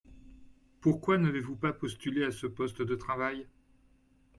Pourquoi n’avez-vous pas postulé à ce poste de travail ?